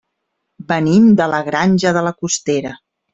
Venim de la Granja de la Costera.